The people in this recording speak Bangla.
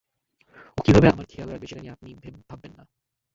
ও কিভাবে আমার খেয়াল রাখবে সেটা নিয়ে আপনি ভাববেন না।